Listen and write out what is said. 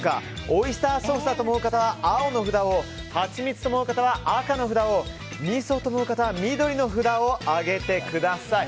オイスターソースだと思う方は青の札をハチミツと思う方は赤の札をみそだと思う方は緑の札を上げてください。